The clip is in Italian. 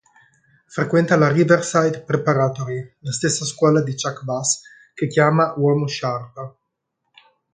Frequenta la Riverside Preparatory, la stessa scuola di Chuck Bass, che chiama "uomo sciarpa".